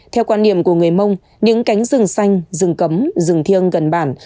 theo quan điểm của người mông những cánh rừng xanh rừng cấm rừng thiêng gần bản